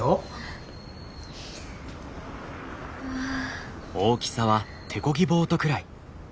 うわあ。